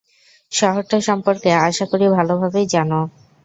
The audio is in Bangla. শহরটা সম্পর্কে আশা করি ভালোভাবেই জানো।